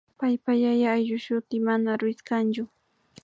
paypa yaya ayllushuti mana Ruíz kanchu